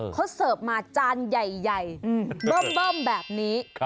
เขาเสิร์ฟมาจานใหญ่เบิ้มแบบนี้